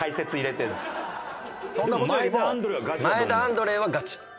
前田アンドレはガチ。